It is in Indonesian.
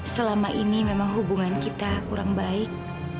selama ini memang hubungan kita kurang baik